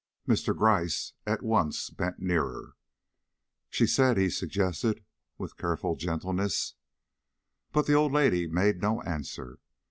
Mr. Gryce at once bent nearer. "She said " he suggested, with careful gentleness. But the old lady made no answer.